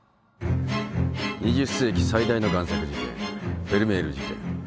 ２０世紀最大の贋作事件フェルメール事件